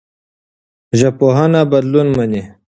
ژبپوهنه بدلون مني.